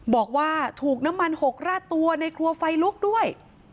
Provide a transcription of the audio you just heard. บอกว่าถูกน้ำมันหกราดตัวในครัวไฟลุกด้วย